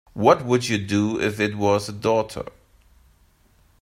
What would you do if it was a daughter?